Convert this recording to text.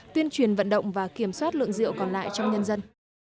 tuyên truyền vận động và kiểm soát lượng rượu còn lại trong nhân dân